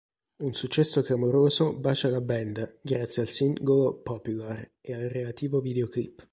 Un successo clamoroso bacia la band grazie al singolo "Popular" ed al relativo videoclip.